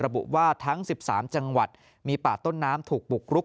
ระบุว่าทั้ง๑๓จังหวัดมีป่าต้นน้ำถูกบุกรุก